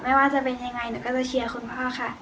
ไม่ว่าจะเป็นยังไงหนูก็จะเชียร์คุณพ่อค่ะ